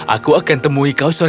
aku akan temui kau sore